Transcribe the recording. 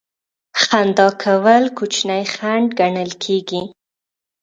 خندا کول کوچنی خنډ ګڼل کیږي.